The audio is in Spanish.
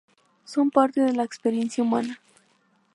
Son parte de la experiencia humana.